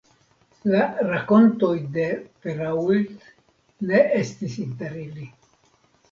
La rakontoj de Perault ne estis inter ili.